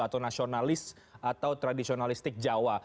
atau nasionalis atau tradisionalistik jawa